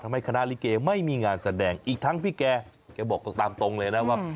คณะลิเกไม่มีงานแสดงอีกทั้งพี่แกแกบอกตามตรงเลยนะว่า